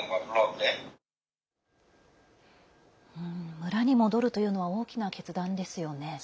村に戻るというのは大きな決断ですよね。